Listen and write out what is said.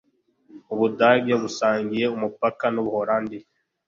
Ubudage busangiye umupaka n’Ubuholandi